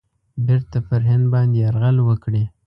بیرته پر هند باندي یرغل وکړي.